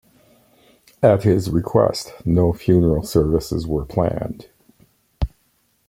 At his request, no funeral services were planned.